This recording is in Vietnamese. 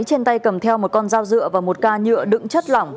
trên tay cầm theo một con dao dựa và một ca nhựa đựng chất lỏng